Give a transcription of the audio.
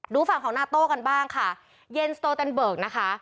ฝั่งของนาโต้กันบ้างค่ะเย็นสโตแตนเบิกนะคะ